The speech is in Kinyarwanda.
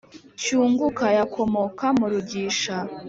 cyunguka yakomoka mu rugisha.